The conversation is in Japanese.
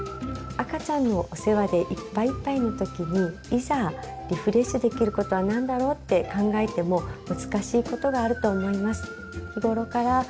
赤ちゃんのお世話でいっぱいいっぱいの時にいざリフレッシュできることは何だろうって考えても難しいことがあると思います。